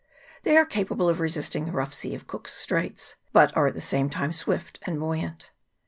They are capable of resisting the rough sea of Cook's Straits, but are at the same time swift and buoyant.